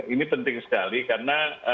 ini penting sekali karena